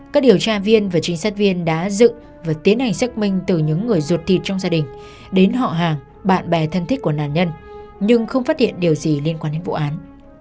các điều tra viên và trinh sát viên đã dựng và tiến hành xác minh từ những người ruột thịt trong gia đình đến họ hàng bạn bè thân thích của nạn nhân nhưng không phát hiện điều gì liên quan đến vụ án